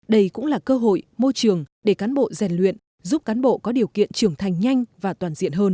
đây cũng là cơ hội môi trường để cán bộ rèn luyện giúp cán bộ có điều kiện trưởng thành nhanh và toàn diện hơn